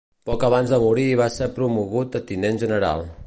Poc abans de morir va ser promogut a Tinent General.